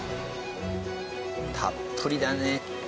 たっぷりだね！